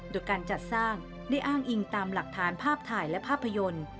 โดยการจัดสร้างได้อ้างอิงตามหลักฐานภาพถ่ายและภาพยนตร์